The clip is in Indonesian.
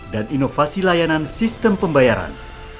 dan inovasi layanan sistem pembayaran